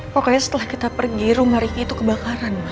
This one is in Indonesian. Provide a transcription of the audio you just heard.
pokoknya setelah kita pergi rumah riki itu kebakaran